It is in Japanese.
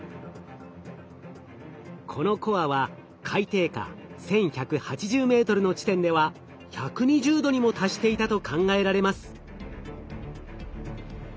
このコアは海底下１，１８０ｍの地点では１２０℃にも達していたと考えられます。